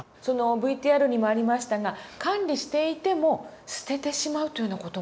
ＶＴＲにもありましたが管理していても捨ててしまうというような事もあるんですか。